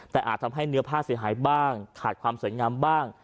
แต่อาจทำให้เนื้อผ้าเสียหายบ้างขาดความสวยงามบ้าง